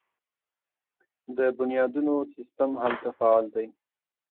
د بنیادونو سیستم هلته فعال دی.